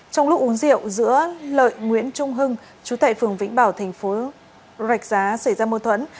uống rượu giữa lợi nguyễn trung hưng trú tại phường vĩnh bảo thành phố rạch giá xảy ra mâu thuẫn